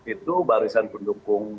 itu barisan pendukung